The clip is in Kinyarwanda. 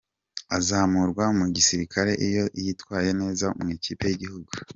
Azamurwa mu gisirikare iyo yitwaye neza mu ikipe y’igihugu.